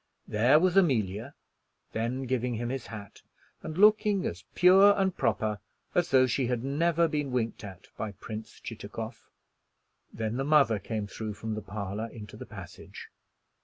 There was Amelia, then giving him his hat, and looking as pure and proper as though she had never been winked at by Prince Chitakov. Then the mother came through from the parlor into the passage.